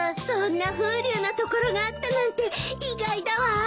そんな風流なところがあったなんて意外だわ。